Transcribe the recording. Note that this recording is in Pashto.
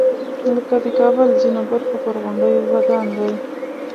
لکه د کابل ځینو برخو پر غونډیو ودان دی.